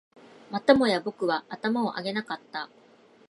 またもや僕は頭を上げなかった